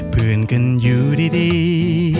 เพื่อนกันอยู่ดี